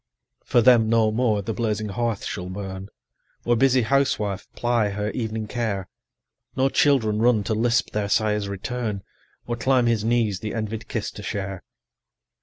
20 For them no more the blazing hearth shall burn, Or busy housewife ply her evening care; No children run to lisp their sire's return, Or climb his knees the envied kiss to share.